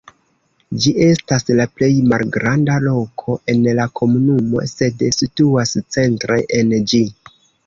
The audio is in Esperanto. Ĝi estas la plej malgranda loko en la komunumo, sed situas centre en ĝi.